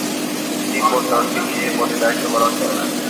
তিন বছর তিনি এ পদে দায়িত্ব পালন করেন।